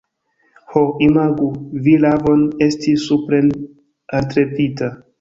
Ho, imagu vi la ravon esti supren altlevita!